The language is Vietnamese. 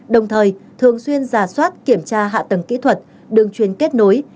đồng thời thường xuyên giả soát kiểm tra hạ tầng kỹ thuật đường chuyên kết nối